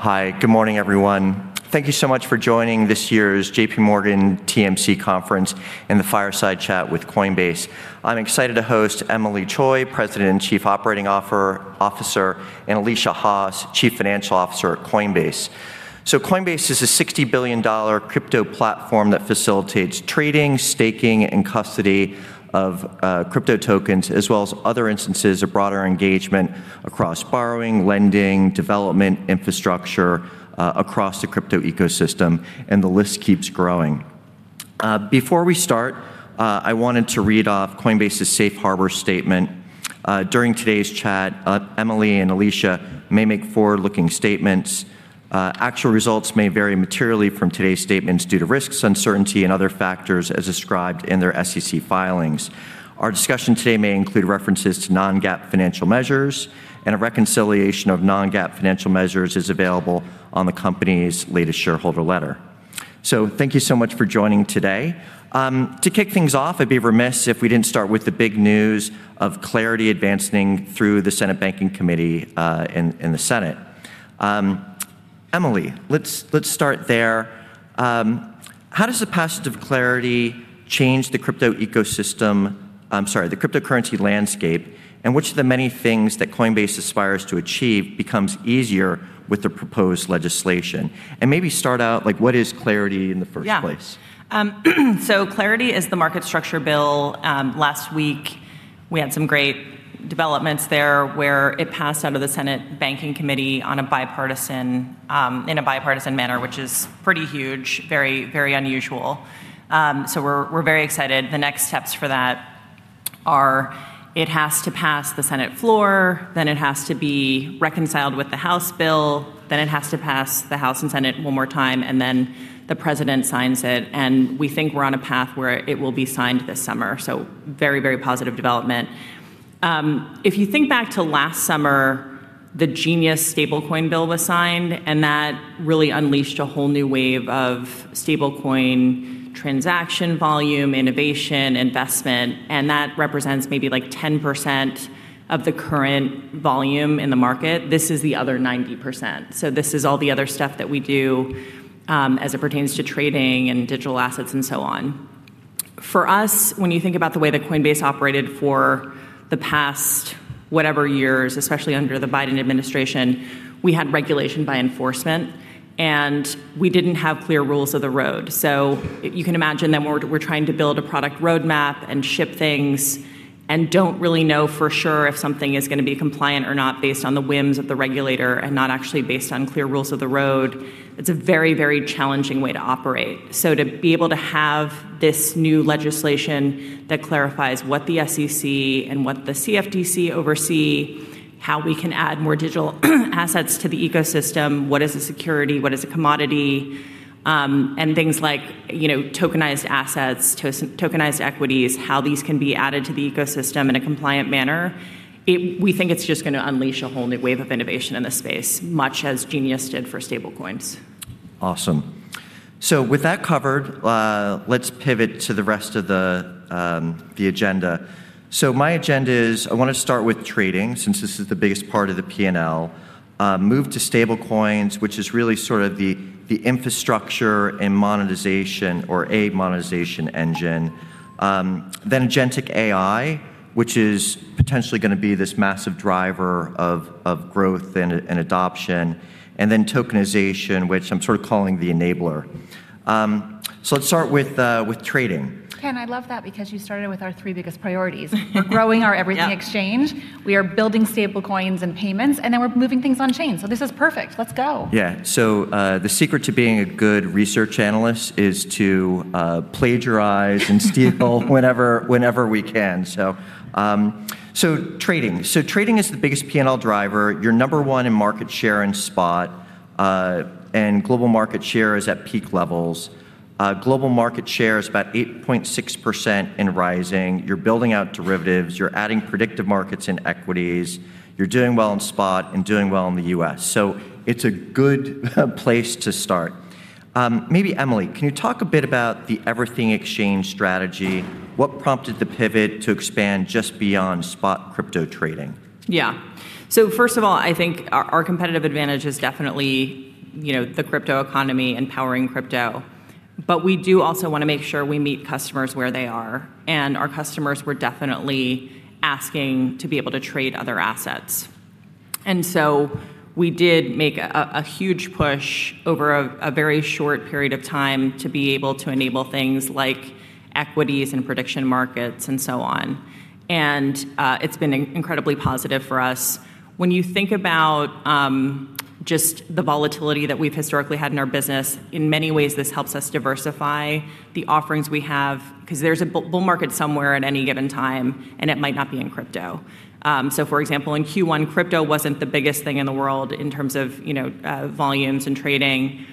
Hi. Good morning, everyone. Thank you so much for joining this year's JPMorgan TMC Conference and the fireside chat with Coinbase. I'm excited to host Emilie Choi, President and Chief Operating Officer, and Alesia Haas, Chief Financial Officer at Coinbase. Coinbase is a $60 billion crypto platform that facilitates trading, staking, and custody of crypto tokens, as well as other instances of broader engagement across borrowing, lending, development, infrastructure, across the crypto ecosystem, and the list keeps growing. Before we start, I wanted to read off Coinbase's safe harbor statement. During today's chat, Emilie and Alesia may make forward-looking statements. Actual results may vary materially from today's statements due to risks, uncertainty, and other factors as described in their SEC filings. Our discussion today may include references to non-GAAP financial measures and a reconciliation of non-GAAP financial measures is available on the company's latest shareholder letter. Thank you so much for joining today. To kick things off, I'd be remiss if we didn't start with the big news of CLARITY advancing through the Senate Banking Committee in the Senate. Emilie, let's start there. How does the passage of CLARITY change the cryptocurrency landscape, which of the many things that Coinbase aspires to achieve becomes easier with the proposed legislation? Maybe start out, what is CLARITY in the first place? CLARITY is the market structure bill. Last week we had some great developments there where it passed out of the Senate Banking Committee in a bipartisan manner, which is pretty huge, very unusual. We're very excited. The next steps for that are it has to pass the Senate floor, then it has to be reconciled with the House bill, then it has to pass the House and Senate one more time, and then the president signs it. We think we're on a path where it will be signed this summer. Very positive development. If you think back to last summer, the EU's Stablecoin Bill was signed, and that really unleashed a whole new wave of stablecoin transaction volume, innovation, investment, and that represents maybe 10% of the current volume in the market. This is the other 90%. This is all the other stuff that we do, as it pertains to trading and digital assets and so on. For us, when you think about the way that Coinbase operated for the past whatever years, especially under the Biden administration, we had regulation by enforcement, and we didn't have clear rules of the road. You can imagine that we're trying to build a product roadmap and ship things and don't really know for sure if something is going to be compliant or not based on the whims of the regulator and not actually based on clear rules of the road. It's a very challenging way to operate. To be able to have this new legislation that clarifies what the SEC and what the CFTC oversee, how we can add more digital assets to the ecosystem, what is a security, what is a commodity, and things like tokenized assets, tokenized equities, how these can be added to the ecosystem in a compliant manner. We think it's just going to unleash a whole new wave of innovation in this space, much as GENIUS Act did for stablecoins. Awesome. With that covered, let's pivot to the rest of the agenda. My agenda is, I want to start with trading since this is the biggest part of the P&L. Move to stablecoins, which is really sort of the infrastructure and monetization or a monetization engine. Agentic AI, which is potentially going to be this massive driver of growth and adoption. Tokenization, which I'm sort of calling the enabler. Let's start with trading. Kenneth, I love that because you started with our three biggest priorities. We're growing our, Yep Everything Exchange. We are building stablecoins and payments, we're moving things on chain. This is perfect. Let's go. Yeah. The secret to being a good research analyst is to plagiarize and steal whenever we can. Trading is the biggest P&L driver. You're number 1 in market share and spot, and global market share is at peak levels. Global market share is about 8.6% and rising. You're building out derivatives. You're adding predictive markets and equities. You're doing well in spot and doing well in the U.S. It's a good place to start. Maybe Emilie, can you talk a bit about the Everything Exchange strategy? What prompted the pivot to expand just beyond spot crypto trading? Yeah. First of all, I think our competitive advantage is definitely the crypto economy and powering crypto. We do also want to make sure we meet customers where they are, and our customers were definitely asking to be able to trade other assets. We did make a huge push over a very short period of time to be able to enable things like equities and prediction markets and so on. It's been incredibly positive for us. When you think about just the volatility that we've historically had in our business, in many ways, this helps us diversify the offerings we have because there's a bull market somewhere at any given time, and it might not be in crypto. For example, in Q1, crypto wasn't the biggest thing in the world in terms of volumes and trading.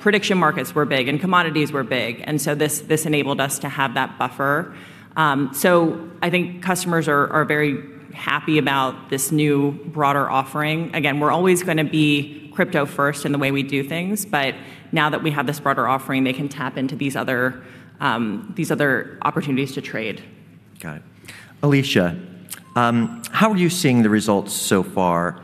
Prediction markets were big and commodities were big, and so this enabled us to have that buffer. I think customers are very happy about this new broader offering. Again, we're always going to be crypto first in the way we do things, but now that we have this broader offering, they can tap into these other opportunities to trade. Got it. Alesia, how are you seeing the results so far?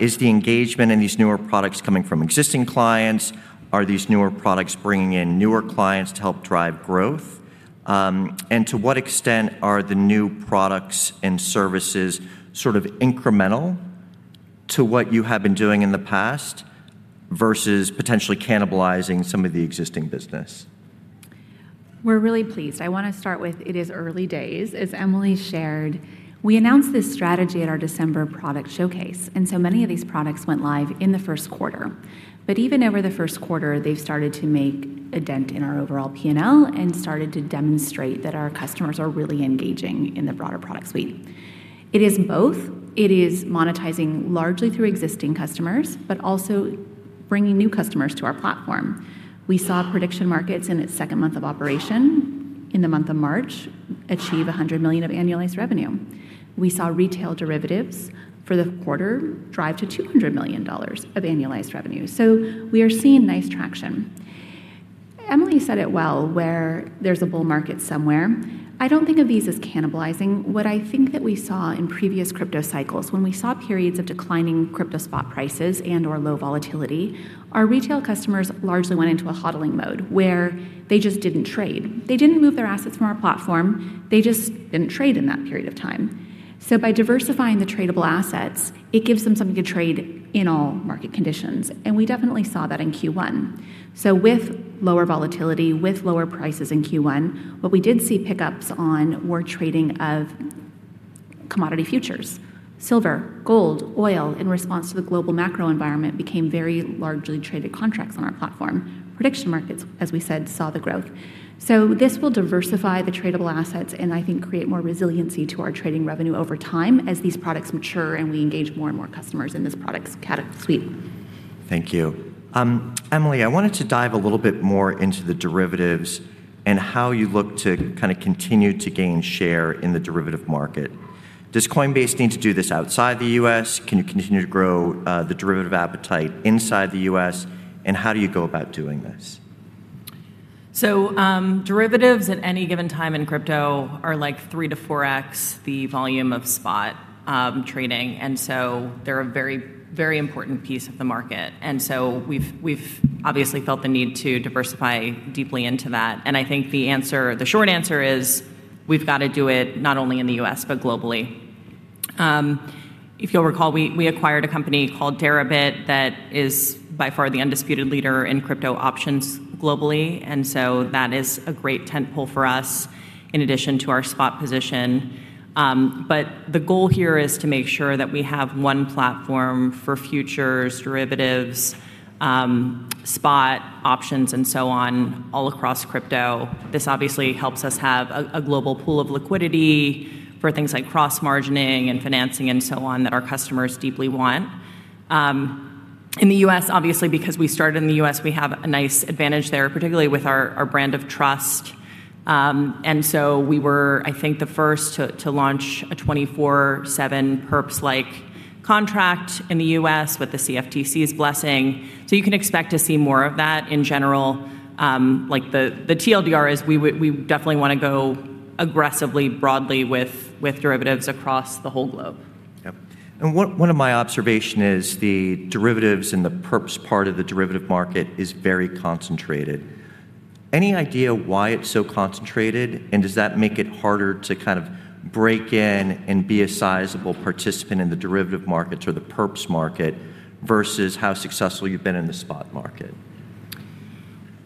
Is the engagement in these newer products coming from existing clients? Are these newer products bringing in newer clients to help drive growth? To what extent are the new products and services sort of incremental to what you have been doing in the past versus potentially cannibalizing some of the existing business? We're really pleased. I want to start with it is early days. As Emilie shared, we announced this strategy at our December product showcase, and so many of these products went live in the Q1. Even over the Q1, they've started to make a dent in our overall P&L and started to demonstrate that our customers are really engaging in the broader product suite. It is both. It is monetizing largely through existing customers, but also bringing new customers to our platform. We saw prediction markets in its second month of operation, in the month of March, achieve $100 million of annualized revenue. We saw retail derivatives for the quarter drive to $200 million of annualized revenue. We are seeing nice traction. Emilie said it well, where there's a bull market somewhere. I don't think of these as cannibalizing. What I think that we saw in previous crypto cycles, when we saw periods of declining crypto spot prices and/or low volatility, our retail customers largely went into a HODLing mode, where they just didn't trade. They didn't move their assets from our platform, they just didn't trade in that period of time. By diversifying the tradable assets, it gives them something to trade in all market conditions, and we definitely saw that in Q1. With lower volatility, with lower prices in Q1, what we did see pickups on were trading of commodity futures. Silver, gold, oil, in response to the global macro environment became very largely traded contracts on our platform. Prediction markets, as we said, saw the growth. This will diversify the tradable assets and I think create more resiliency to our trading revenue over time as these products mature and we engage more and more customers in this product suite. Thank you. Emilie, I wanted to dive a little bit more into the derivatives and how you look to kind of continue to gain share in the derivative market. Does Coinbase need to do this outside the U.S.? Can you continue to grow the derivative appetite inside the U.S.? How do you go about doing this? Derivatives at any given time in crypto are like 3 to 4x the volume of spot trading, they're a very important piece of the market. We've obviously felt the need to diversify deeply into that. I think the short answer is we've got to do it not only in the U.S., but globally. If you'll recall, we acquired a company called Deribit that is by far the undisputed leader in crypto options globally, that is a great tent pole for us in addition to our spot position. The goal here is to make sure that we have 1 platform for futures, derivatives, spot options, and so on all across crypto. This obviously helps us have a global pool of liquidity for things like cross-margining and financing and so on that our customers deeply want. In the U.S., obviously because we started in the U.S., we have a nice advantage there, particularly with our brand of trust. We were, I think, the first to launch a 24/7 perps-like contract in the U.S. with the CFTC's blessing. You can expect to see more of that in general. The TLDR is we definitely want to go aggressively, broadly with derivatives across the whole globe. Yep. One of my observation is the derivatives and the perps part of the derivative market is very concentrated. Any idea why it's so concentrated, and does that make it harder to kind of break in and be a sizable participant in the derivative markets or the perps market versus how successful you've been in the spot market?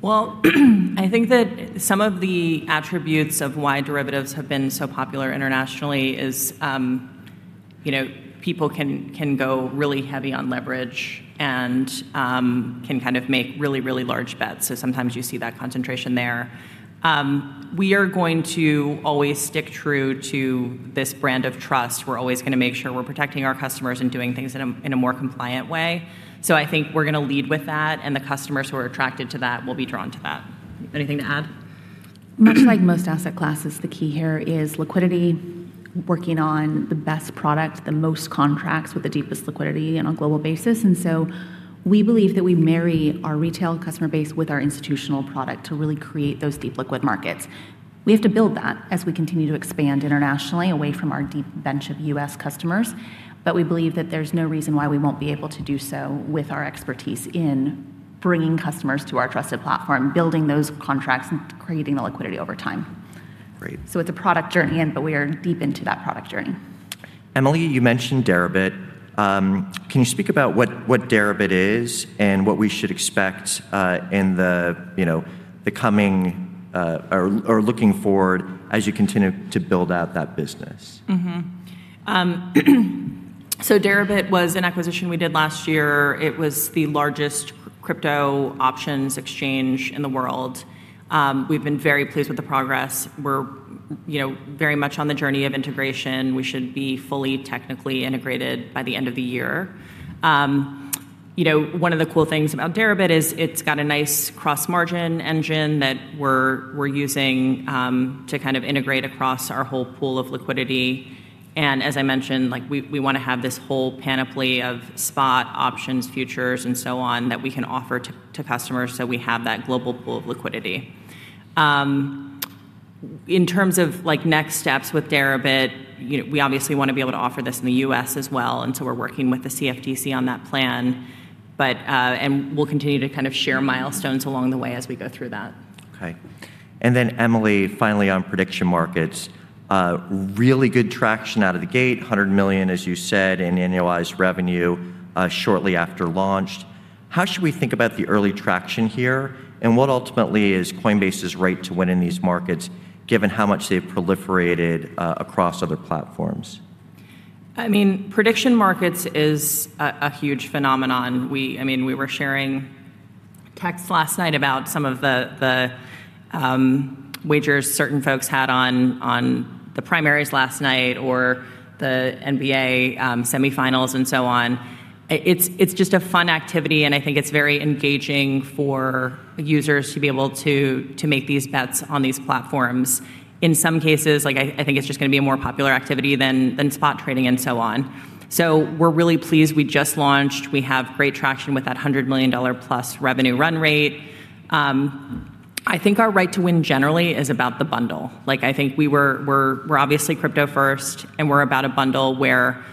I think that some of the attributes of why derivatives have been so popular internationally is people can go really heavy on leverage and can kind of make really large bets. Sometimes you see that concentration there. We are going to always stick true to this brand of trust. We're always going to make sure we're protecting our customers and doing things in a more compliant way. I think we're going to lead with that, and the customers who are attracted to that will be drawn to that. Anything to add? Much like most asset classes, the key here is liquidity, working on the best product, the most contracts with the deepest liquidity on a global basis. We believe that we marry our retail customer base with our institutional product to really create those deep liquid markets. We have to build that as we continue to expand internationally away from our deep bench of U.S. customers. We believe that there's no reason why we won't be able to do so with our expertise in bringing customers to our trusted platform, building those contracts, and creating the liquidity over time. Great. It's a product journey, but we are deep into that product journey. Emilie, you mentioned Deribit. Can you speak about what Deribit is and what we should expect in the coming, or looking forward as you continue to build out that business? Deribit was an acquisition we did last year. It was the largest crypto options exchange in the world. We've been very pleased with the progress. We're very much on the journey of integration. We should be fully technically integrated by the end of the year. One of the cool things about Deribit is it's got a nice cross-margin engine that we're using to kind of integrate across our whole pool of liquidity. As I mentioned, we want to have this whole panoply of spot options, futures, and so on that we can offer to customers so we have that global pool of liquidity. In terms of next steps with Deribit, we obviously want to be able to offer this in the U.S. as well, and so we're working with the CFTC on that plan. We'll continue to share milestones along the way as we go through that. Then Emilie, finally, on prediction markets. Really good traction out of the gate, $100 million, as you said, in annualized revenue shortly after launch. How should we think about the early traction here, and what ultimately is Coinbase's right to win in these markets, given how much they've proliferated across other platforms? Prediction markets is a huge phenomenon. We were sharing texts last night about some of the wagers certain folks had on the primaries last night or the NBA semifinals and so on. It's just a fun activity, and I think it's very engaging for users to be able to make these bets on these platforms. In some cases, I think it's just going to be a more popular activity than spot trading and so on. We're really pleased. We just launched. We have great traction with that $100+ million revenue run rate. I think our right to win generally is about the bundle. I think we're obviously crypto first, and we're about a bundle where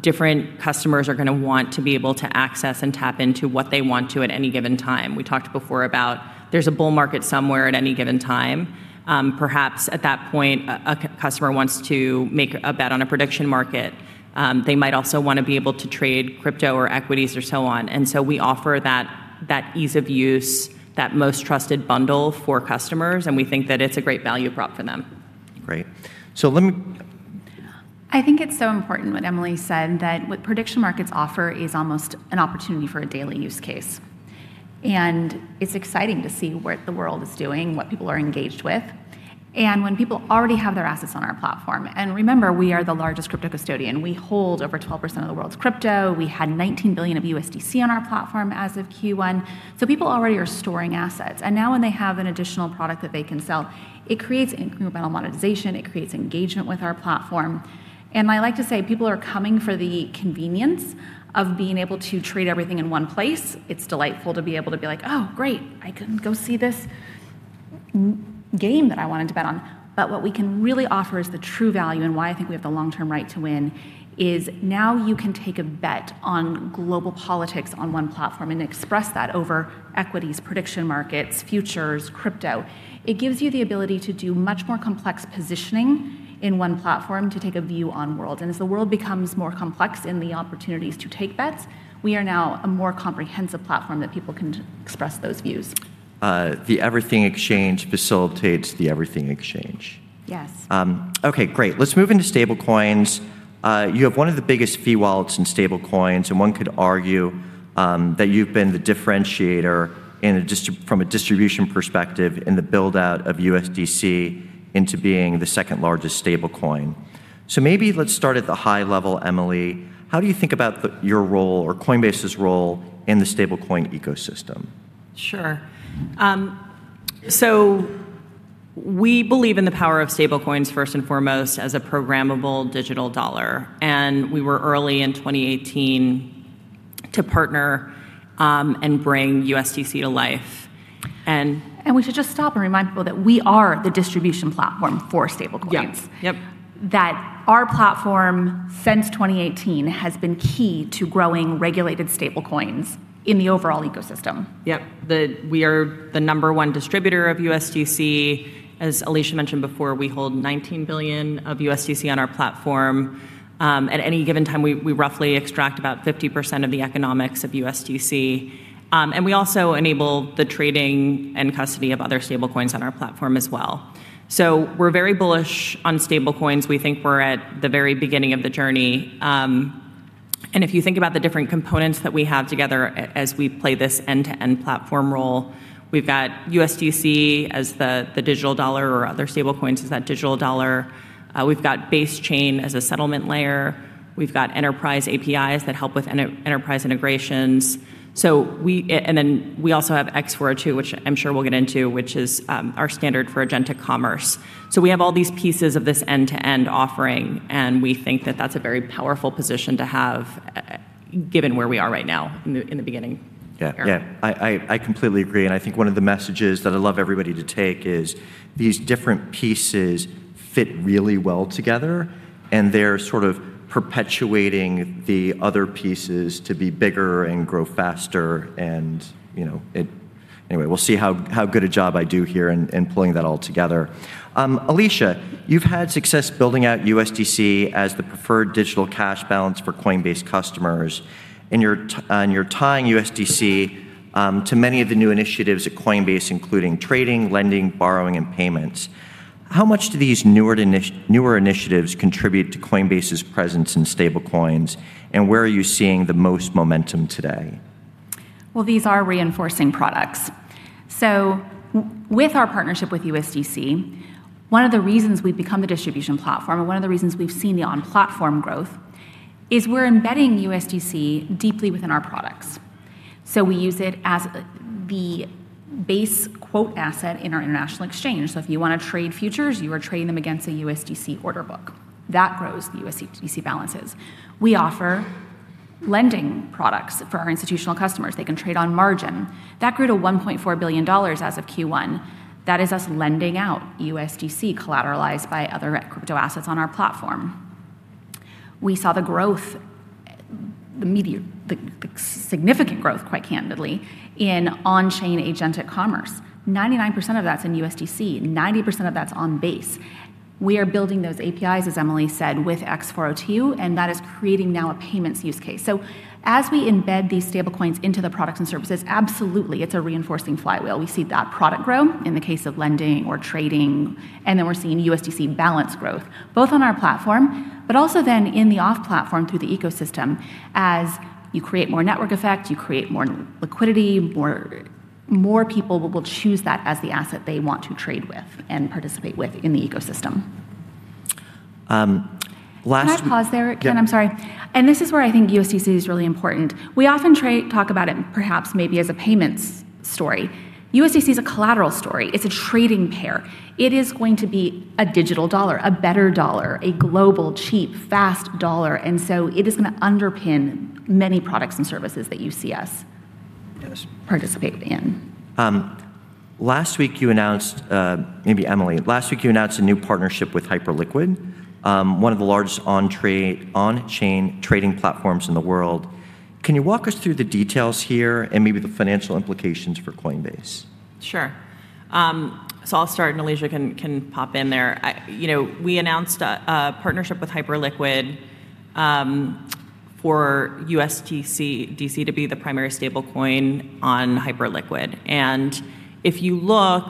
different customers are going to want to be able to access and tap into what they want to at any given time. We talked before about there's a bull market somewhere at any given time. Perhaps at that point, a customer wants to make a bet on a prediction market. They might also want to be able to trade crypto or equities or so on. We offer that ease of use, that most trusted bundle for customers, and we think that it's a great value prop for them. Great. I think it's so important what Emilie said, that what prediction markets offer is almost an opportunity for a daily use case. It's exciting to see what the world is doing, what people are engaged with, and when people already have their assets on our platform. Remember, we are the largest crypto custodian. We hold over 12% of the world's crypto. We had $19 billion of USDC on our platform as of Q1. People already are storing assets. Now when they have an additional product that they can sell, it creates incremental monetization, it creates engagement with our platform. I like to say people are coming for the convenience of being able to trade everything in one place. It's delightful to be able to be like, "Oh, great. I can go see this game that I wanted to bet on. What we can really offer as the true value and why I think we have the long-term right to win is now you can take a bet on global politics on one platform and express that over equities, prediction markets, futures, crypto. It gives you the ability to do much more complex positioning in one platform to take a view on world. As the world becomes more complex in the opportunities to take bets, we are now a more comprehensive platform that people can express those views. The Everything Exchange facilitates the Everything Exchange. Yes. Great. Let's move into stablecoins. You have one of the biggest fee wallets in stablecoins, and one could argue that you've been the differentiator from a distribution perspective in the build-out of USDC into being the second-largest stablecoin. Maybe let's start at the high level, Emilie. How do you think about your role or Coinbase's role in the stablecoin ecosystem? Sure. We believe in the power of stablecoins first and foremost as a programmable digital dollar. We were early in 2018 to partner and bring USDC to life. We should just stop and remind people that we are the distribution platform for stablecoins. Yep. That our platform since 2018 has been key to growing regulated stablecoins in the overall ecosystem. Yep. We are the number one distributor of USDC. As Alesia mentioned before, we hold $19 billion of USDC on our platform. At any given time, we roughly extract about 50% of the economics of USDC. We also enable the trading and custody of other stablecoins on our platform as well. We're very bullish on stablecoins. We think we're at the very beginning of the journey. If you think about the different components that we have together as we play this end-to-end platform role, we've got USDC as the digital dollar, or other stablecoins as that digital dollar. We've got Base chain as a settlement layer. We've got enterprise APIs that help with enterprise integrations. We also have x402 too, which I'm sure we'll get into, which is our standard for agentic commerce. We have all these pieces of this end-to-end offering, and we think that that's a very powerful position to have given where we are right now in the beginning. Yeah. I completely agree. I think one of the messages that I'd love everybody to take is these different pieces fit really well together, and they're sort of perpetuating the other pieces to be bigger and grow faster, and anyway, we'll see how good a job I do here in pulling that all together. Alesia, you've had success building out USDC as the preferred digital cash balance for Coinbase customers, and you're tying USDC to many of the new initiatives at Coinbase, including trading, lending, borrowing, and payments. How much do these newer initiatives contribute to Coinbase's presence in stablecoins, and where are you seeing the most momentum today? These are reinforcing products. With our partnership with USDC, one of the reasons we've become a distribution platform and one of the reasons we've seen the on-platform growth is we're embedding USDC deeply within our products. We use it as the base quote asset in our international exchange. If you want to trade futures, you are trading them against a USDC order book. That grows the USDC balances. We offer lending products for our institutional customers. They can trade on margin. That grew to $1.4 billion as of Q1. That is us lending out USDC collateralized by other crypto assets on our platform. We saw the significant growth, quite candidly, in on-chain agentic commerce. 99% of that's in USDC. 90% of that's on Base. We are building those APIs, as Emilie said, with x402, and that is creating now a payments use case. As we embed these stablecoins into the products and services, absolutely, it's a reinforcing flywheel. We see that product grow in the case of lending or trading, and then we're seeing USDC balance growth, both on our platform, but also then in the off-platform through the ecosystem. As you create more network effect, you create more liquidity, more people will choose that as the asset they want to trade with and participate with in the ecosystem. Last, Can I pause there, Kenneth? I'm sorry. Yeah. This is where I think USDC is really important. We often talk about it perhaps maybe as a payments story. USDC is a collateral story. It's a trading pair. It is going to be a digital dollar, a better dollar, a global, cheap, fast dollar. Yes Participate in. Maybe Emilie, last week you announced a new partnership with Hyperliquid, one of the largest on-chain trading platforms in the world. Can you walk us through the details here and maybe the financial implications for Coinbase? Sure. I'll start, and Alesia can pop in there. We announced a partnership with Hyperliquid for USDC to be the primary stablecoin on Hyperliquid. If you look,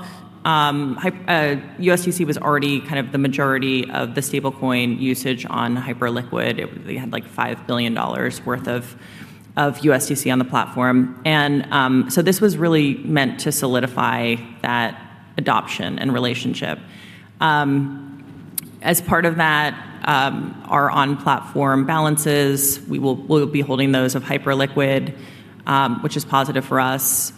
USDC was already kind of the majority of the stablecoin usage on Hyperliquid. They had like $5 billion worth of USDC on the platform. This was really meant to solidify that adoption and relationship. As part of that, our on-platform balances, we'll be holding those of Hyperliquid, which is positive for us.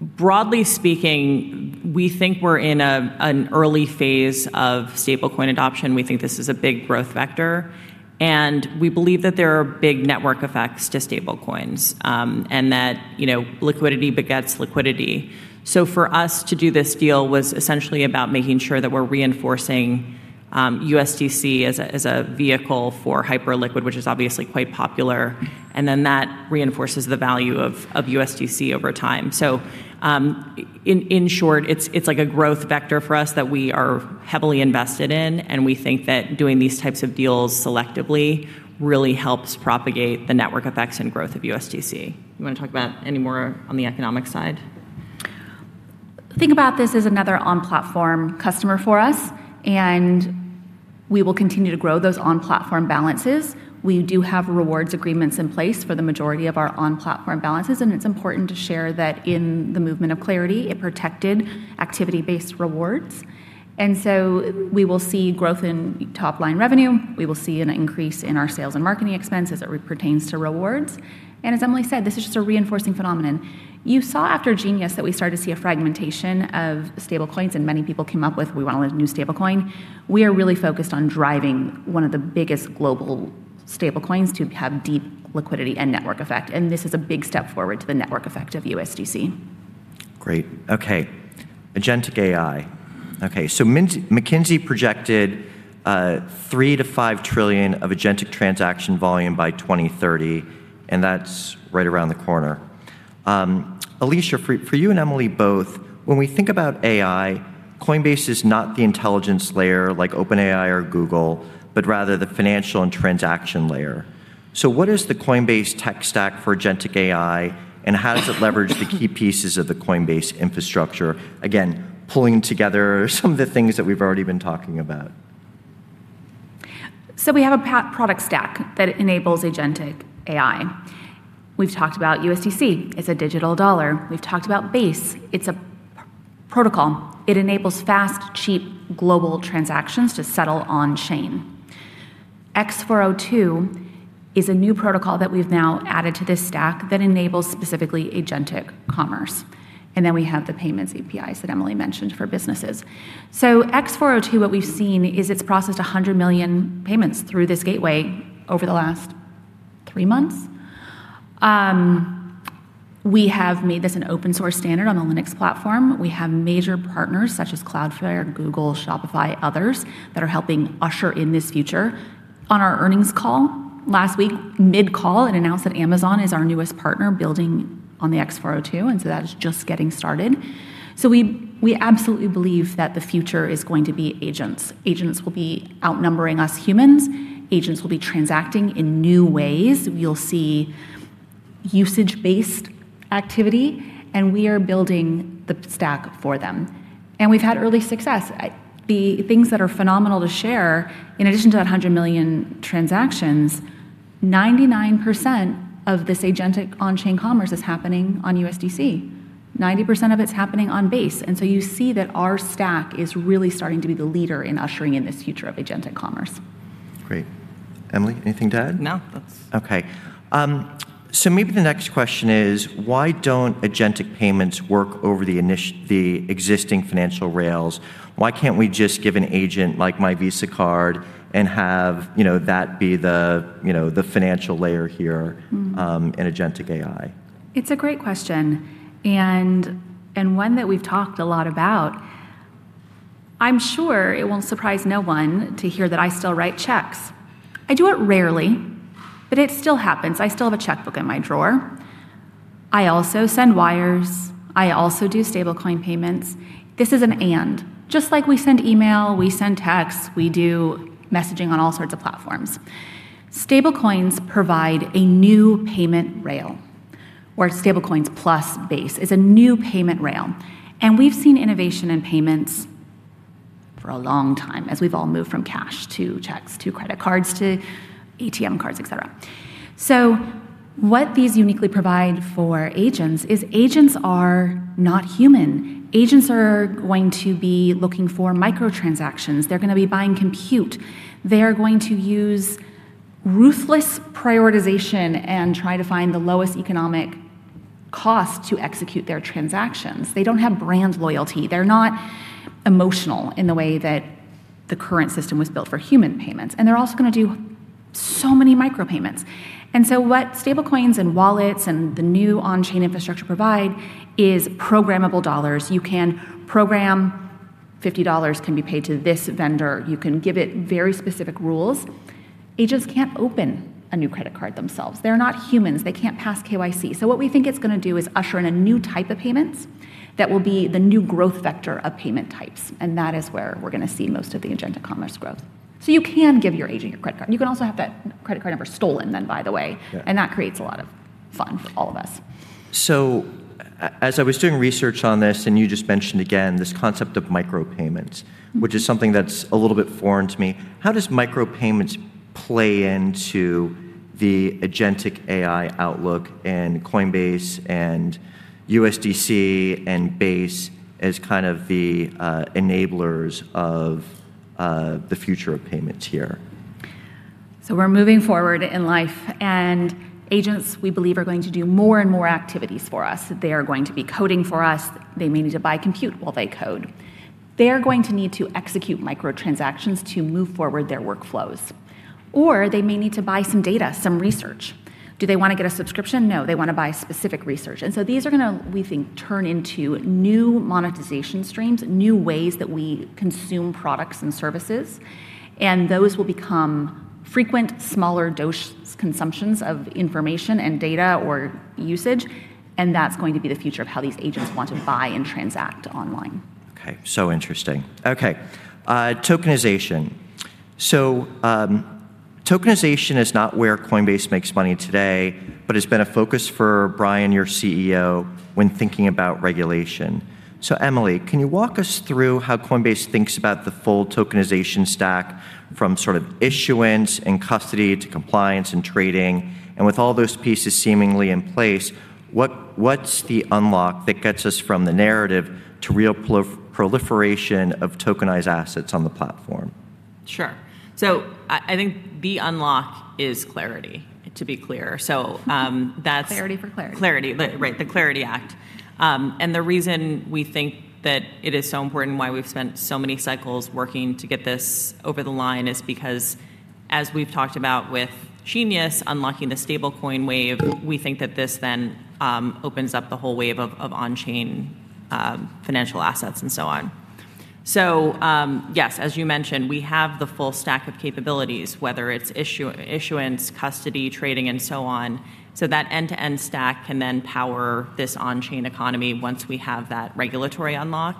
Broadly speaking, we think we're in an early phase of stablecoin adoption. We think this is a big growth vector, and we believe that there are big network effects to stablecoins, and that liquidity begets liquidity. For us to do this deal was essentially about making sure that we're reinforcing USDC as a vehicle for Hyperliquid, which is obviously quite popular, and then that reinforces the value of USDC over time. In short, it's like a growth vector for us that we are heavily invested in, and we think that doing these types of deals selectively really helps propagate the network effects and growth of USDC. You want to talk about any more on the economic side? Think about this as another on-platform customer for us, we will continue to grow those on-platform balances. We do have rewards agreements in place for the majority of our on-platform balances, it's important to share that in the movement of clarity, it protected activity-based rewards. We will see growth in top-line revenue. We will see an increase in our sales and marketing expense as it pertains to rewards. As Emilie said, this is just a reinforcing phenomenon. You saw after GENIUS that we started to see a fragmentation of stablecoins, and many people came up with, "We want to launch a new stablecoin." We are really focused on driving one of the biggest global stablecoins to have deep liquidity and network effect, this is a big step forward to the network effect of USDC. Great. Okay. agentic AI. Okay. McKinsey projected $3 trillion-$5 trillion of agentic transaction volume by 2030. That's right around the corner. Alesia, for you and Emilie both, when we think about AI, Coinbase is not the intelligence layer like OpenAI or Google, but rather the financial and transaction layer. What is the Coinbase tech stack for agentic AI, and how does it leverage the key pieces of the Coinbase infrastructure? Again, pulling together some of the things that we've already been talking about. We have a product stack that enables agentic AI. We've talked about USDC. It's a digital dollar. We've talked about Base. It's a protocol. It enables fast, cheap, global transactions to settle on-chain. x402 is a new protocol that we've now added to this stack that enables specifically agentic commerce. We have the payments APIs that Emilie mentioned for businesses. x402, what we've seen is it's processed 100 million payments through this gateway over the last three months. We have made this an open-source standard on a Linux platform. We have major partners such as Cloudflare, Google, Shopify, others, that are helping usher in this future. On our earnings call last week, mid-call, it announced that Amazon is our newest partner building on the x402, and so that is just getting started. We absolutely believe that the future is going to be agents. Agents will be outnumbering us humans. Agents will be transacting in new ways. You'll see usage-based activity, and we are building the stack for them. We've had early success. The things that are phenomenal to share, in addition to that 100 million transactions, 99% of this agentic on-chain commerce is happening on USDC. 90% of it's happening on Base, you see that our stack is really starting to be the leader in ushering in this future of agentic commerce. Great. Emilie, anything to add? No. Okay. Maybe the next question is, why don't agentic payments work over the existing financial rails? Why can't we just give an agent my Visa card and have that be the financial layer here in agentic AI? It's a great question, and one that we've talked a lot about. I'm sure it will surprise no one to hear that I still write checks. I do it rarely, but it still happens. I still have a checkbook in my drawer. I also send wires. I also do stablecoin payments. This is an and. Just like we send email, we send texts, we do messaging on all sorts of platforms. Stablecoins provide a new payment rail, or stablecoins plus Base is a new payment rail. We've seen innovation in payments for a long time as we've all moved from cash, to checks, to credit cards, to ATM cards, et cetera. What these uniquely provide for agents is agents are not human. Agents are going to be looking for microtransactions. They're going to be buying compute. They are going to use ruthless prioritization and try to find the lowest economic cost to execute their transactions. They don't have brand loyalty. They're not emotional in the way that the current system was built for human payments, and they're also going to do so many micro payments. What stablecoins and wallets and the new on-chain infrastructure provide is programmable dollars. You can program $50 can be paid to this vendor. You can give it very specific rules. Agents can't open a new credit card themselves. They're not humans. They can't pass KYC. What we think it's going to do is usher in a new type of payments that will be the new growth vector of payment types, and that is where we're going to see most of the agentic commerce growth. You can give your agent your credit card. You can also have that credit card number stolen then, by the way. Yeah. That creates a lot of fun for all of us. As I was doing research on this, and you just mentioned again this concept of micropayments, which is something that's a little bit foreign to me. How does micropayments play into the agentic AI outlook and Coinbase, and USDC, and Base as kind of the enablers of the future of payments here? We're moving forward in life, and agents, we believe, are going to do more and more activities for us. They are going to be coding for us. They may need to buy compute while they code. They are going to need to execute micro transactions to move forward their workflows. Or they may need to buy some data, some research. Do they want to get a subscription? No. They want to buy specific research. These are going to, we think, turn into new monetization streams, new ways that we consume products and services, and those will become frequent, smaller dose consumptions of information and data or usage, and that's going to be the future of how these agents want to buy and transact online. Interesting. Tokenization. Tokenization is not where Coinbase makes money today, but it's been a focus for Brian, your CEO, when thinking about regulation. Emilie, can you walk us through how Coinbase thinks about the full tokenization stack from sort of issuance and custody to compliance and trading? With all those pieces seemingly in place, what's the unlock that gets us from the narrative to real proliferation of tokenized assets on the platform? Sure. I think the unlock is clarity, to be clear. CLARITY for clarity. Clarity. Right. The CLARITY Act. The reason we think that it is so important, why we've spent so many cycles working to get this over the line is because, as we've talked about with the GENIUS Act, unlocking the stablecoin wave, we think that this then opens up the whole wave of on-chain financial assets and so on. Yes. As you mentioned, we have the full stack of capabilities, whether it's issuance, custody, trading, and so on. That end-to-end stack can then power this on-chain economy once we have that regulatory unlock.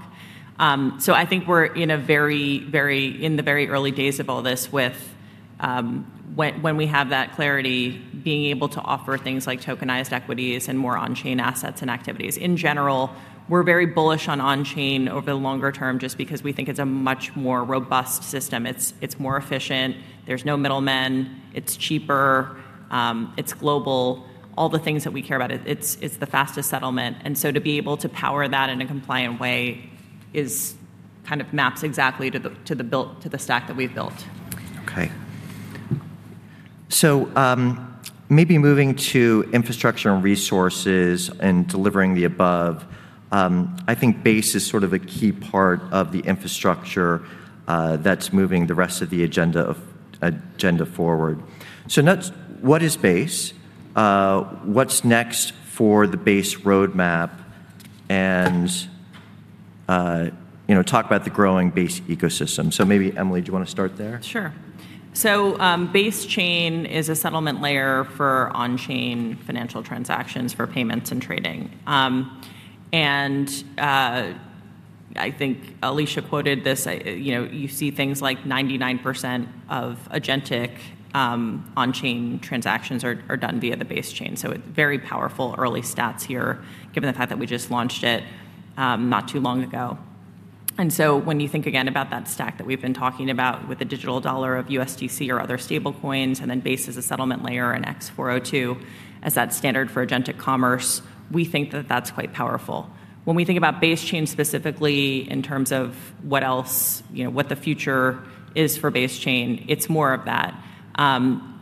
I think we're in the very early days of all this with when we have that clarity, being able to offer things like tokenized equities and more on-chain assets and activities. In general, we're very bullish on on-chain over the longer term just because we think it's a much more robust system. It's more efficient. There's no middlemen. It's cheaper. It's global. All the things that we care about. It's the fastest settlement. To be able to power that in a compliant way kind of maps exactly to the stack that we've built. Okay. Maybe moving to infrastructure and resources and delivering the above. I think Base is sort of a key part of the infrastructure that's moving the rest of the agenda forward. What is Base? What's next for the Base roadmap? Talk about the growing Base ecosystem. Maybe Emilie, do you want to start there? Sure. Base chain is a settlement layer for on-chain financial transactions for payments and trading. I think Alesia quoted this. You see things like 99% of agentic on-chain transactions are done via the Base chain, so very powerful early stats here given the fact that we just launched it not too long ago. When you think again about that stack that we've been talking about with the digital dollar of USDC or other stablecoins, and then Base as a settlement layer and x402 as that standard for agentic commerce, we think that that's quite powerful. When we think about Base chain specifically in terms of what the future is for Base chain, it's more of that.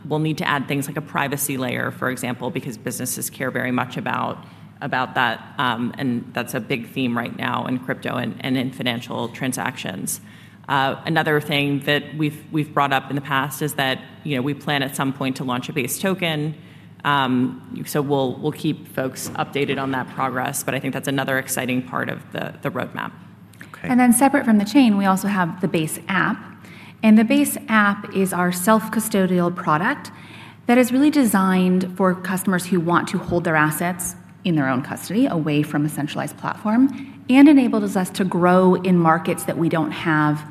We'll need to add things like a privacy layer, for example, because businesses care very much about that. That's a big theme right now in crypto and in financial transactions. Another thing that we've brought up in the past is that we plan at some point to launch a Base token. We'll keep folks updated on that progress, but I think that's another exciting part of the roadmap. Okay. Then separate from the chain, we also have the Base app. The Base app is our self-custodial product that is really designed for customers who want to hold their assets in their own custody, away from a centralized platform, and enables us to grow in markets that we don't have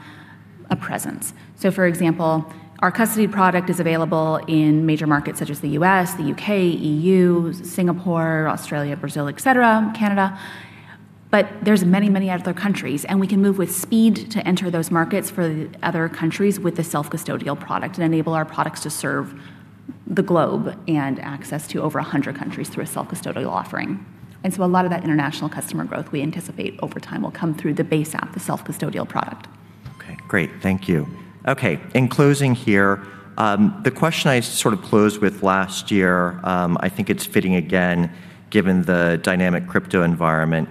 a presence. For example, our custody product is available in major markets such as the U.S., the U.K., EU, Singapore, Australia, Brazil, et cetera, Canada. There's many, many other countries, and we can move with speed to enter those markets for the other countries with a self-custodial product and enable our products to serve the globe and access to over 100 countries through a self-custodial offering. A lot of that international customer growth we anticipate over time will come through the Base app, the self-custodial product. Okay, great. Thank you. Okay, in closing here, the question I sort of closed with last year, I think it's fitting again, given the dynamic crypto environment.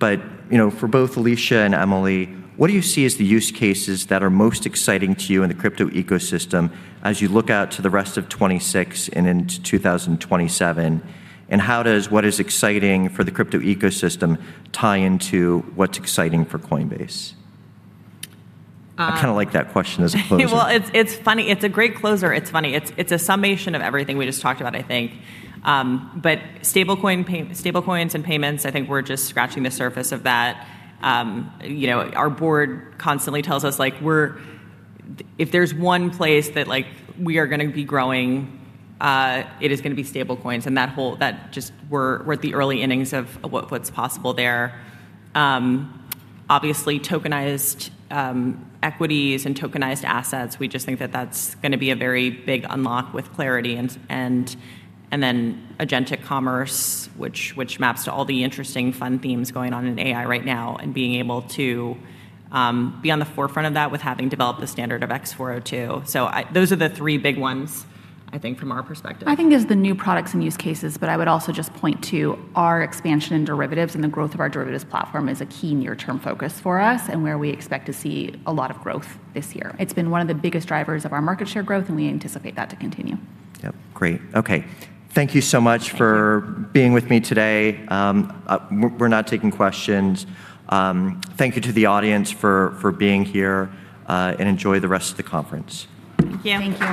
For both Alesia and Emilie, what do you see as the use cases that are most exciting to you in the crypto ecosystem as you look out to the rest of 2026 and into 2027? How does what is exciting for the crypto ecosystem tie into what's exciting for Coinbase? I kind of like that question as a closer. It's funny. It's a great closer. It's a summation of everything we just talked about, I think. Stablecoins and payments, I think we're just scratching the surface of that. Our board constantly tells us, if there's one place that we are going to be growing, it is going to be stablecoins, and we're at the early innings of what's possible there. Obviously, tokenized equities and tokenized assets, we just think that that's going to be a very big unlock with clarity. Then agentic commerce, which maps to all the interesting, fun themes going on in AI right now, and being able to be on the forefront of that with having developed the standard of x402. Those are the three big ones, I think, from our perspective. I think it's the new products and use cases, but I would also just point to our expansion in derivatives and the growth of our derivatives platform as a key near-term focus for us and where we expect to see a lot of growth this year. It's been one of the biggest drivers of our market share growth, and we anticipate that to continue. Yep, great. Okay. Thank you so much. Being with me today. We're not taking questions. Thank you to the audience for being here, and enjoy the rest of the conference. Thank you. Thank you.